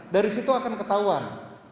dari situ akan ketahuan